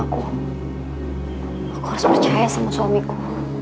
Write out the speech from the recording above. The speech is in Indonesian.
aku harus percaya sama suamiku